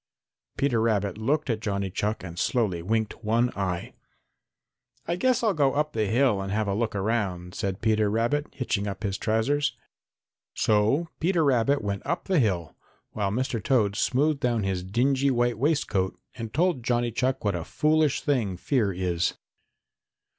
Peter Rabbit looked at Johnny Chuck and slowly winked one eye. "I guess I'll go up the hill and have a look around," said Peter Rabbit, hitching up his trousers. So Peter Rabbit went off up the hill, while Mr. Toad smoothed down his dingy white waistcoat and told Johnny Chuck what a foolish thing fear is.